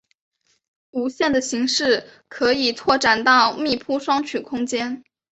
无限的形式可以扩展到密铺双曲空间。